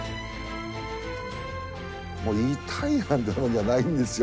もう痛いなんてもんじゃないんですよ。